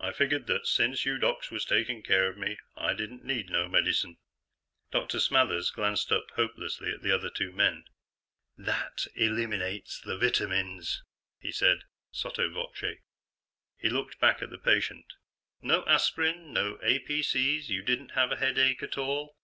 "I figured that since you docs was takin' care of me, I didn't need no medicine." Dr. Smathers glanced up hopelessly at the other two men. "That eliminates the vitamins," he said, sotto voce. He looked back at the patient. "No aspirin? No APC's? You didn't have a headache at all?"